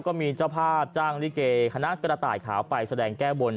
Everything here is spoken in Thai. ก็มีเจ้าภาพจ้างลิเกคณะกระต่ายขาวไปแสดงแก้บน